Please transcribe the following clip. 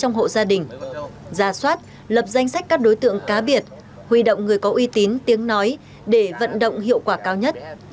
giả soát lập danh sách các đối tượng cá biệt huy động người có uy tín tiếng nói để vận động hiệu quả cao nhất